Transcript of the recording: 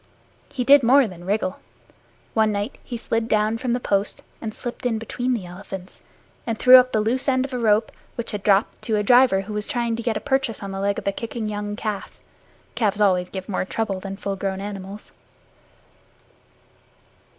He did more than wriggle. One night he slid down from the post and slipped in between the elephants and threw up the loose end of a rope, which had dropped, to a driver who was trying to get a purchase on the leg of a kicking young calf (calves always give more trouble than full grown animals).